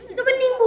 itu bening bu